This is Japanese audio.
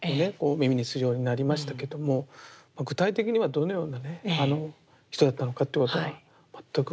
耳にするようになりましたけども具体的にはどのような人だったのかっていうことは全く存じ上げてないですね。